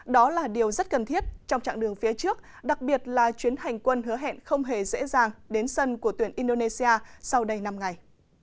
đó là điều rất cần thiết trong trạng đường phía trước đặc biệt là chuyến hành quân hứa hẹn không hề dễ dàng đến sân của tuyển indonesia sau đây năm ngày